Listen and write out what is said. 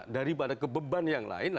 daripada kebeban yang lain